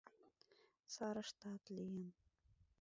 Сарыштат лийын.